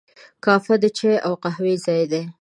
کافه د چای او قهوې ځای دی.